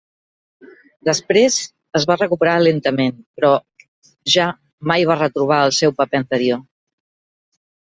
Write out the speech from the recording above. Després es va recuperar lentament però ja mai va retrobar el seu paper anterior.